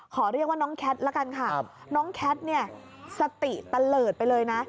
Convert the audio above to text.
ขอเรียกว่าน้องแคทละกันค่ะน้องแคทเนี่ยสติตะเลิศไปเลยนะ